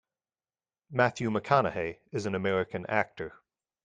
Matthew McConaughey is an American actor.